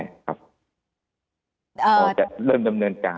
อาจจะเริ่มดำเนินการ